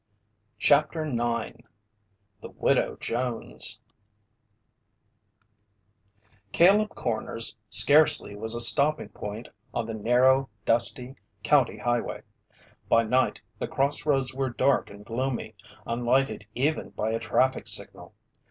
CHAPTER 9 THE WIDOW JONES Caleb Corners scarcely was a stopping point on the narrow, dusty, county highway. By night the crossroads were dark and gloomy, unlighted even by a traffic signal.